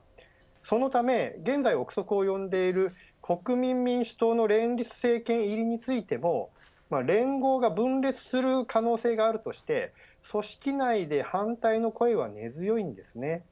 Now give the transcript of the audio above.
そのため現在、臆測を呼んでいる国民民主党の連立政権入りについても連合が分裂する可能性があるとして組織内で反対の声は根強いんですね。